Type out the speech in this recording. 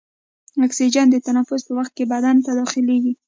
اکسیجن د تنفس په وخت کې بدن ته داخلیږي.